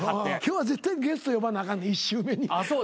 今日は絶対ゲスト呼ばなあかんで１週目に。